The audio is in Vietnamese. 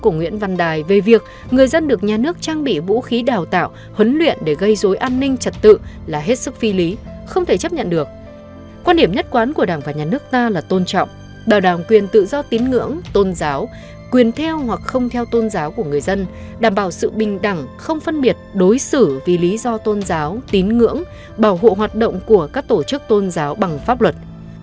những điểm nhất quán của đảng và nhà nước ta là tôn trọng bảo đảm quyền tự do tín ngưỡng tôn giáo quyền theo hoặc không theo tôn giáo của người dân đảm bảo sự bình đẳng không phân biệt đối xử vì lý do tôn giáo tín ngưỡng bảo hộ hoạt động của các tổ chức tôn giáo bằng pháp luật